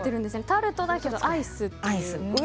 タルトだけどアイスっていう。